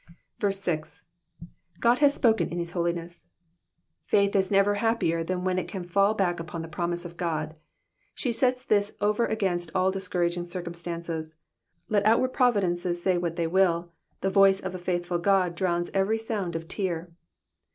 6. G^ hath apohen in his holiness,'*'* Faith is never happier than when it can fall back upon the promise of God. She sets this over against all discourag ing circumstances ; let outward providences say what they will, the voice of a faithful God drowns every sound of tear.